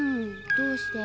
どうして？